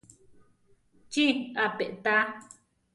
Chi á pe tá.